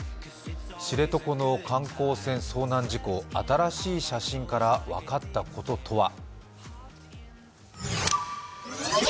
知床の観光船遭難事故新しい写真から分かったこととは。